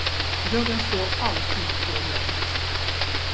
Dörren står alltid på glänt.